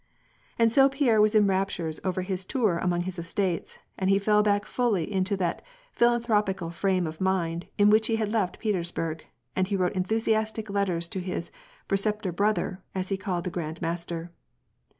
And so Pierre was in raptures over his tour among his es tates, and he fell back fully into that philanthropical frame of mind in which he had left Petersburg, and he wrote enthusi astic letters to his "preceptor brother," as he called the Grand Master.